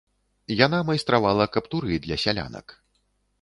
Яна майстравала каптуры для сялянак.